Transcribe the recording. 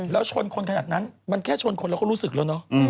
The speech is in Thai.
แล้วชนคนขนาดนั้นมันแค่ชนคนเราก็รู้สึกแล้วเนอะ